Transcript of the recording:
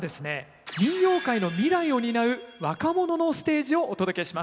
民謡界の未来を担う若者のステージをお届けします。